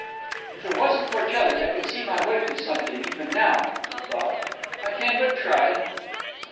"If it wasn't for Tillie, I could see my way to something, even now," he thought. "I can but try!"